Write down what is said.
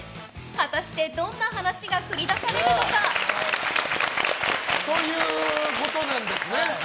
果たしてどんな話が繰り出されるのか？ということなんですね。